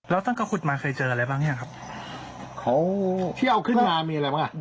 แล้วสังเกตมาเคยเจออะไรบ้างอย่างครับโอ้ที่เอาขึ้นมามีอะไรบ้าง